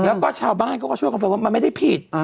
แล้วก็ชาวบ้านก็ก็ช่วยกังวลว่ามันไม่ได้ผิด